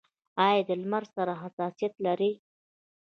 ایا له لمر سره حساسیت لرئ؟